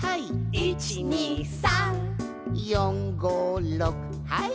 「１２３」「４５６はい」